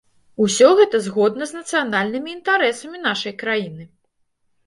Усё гэта згодна з нацыянальнымі інтарэсамі нашай краіны!